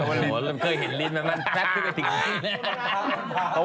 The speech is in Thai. มันเคยเห็นลิ้นมันแป๊บขึ้นไปถึง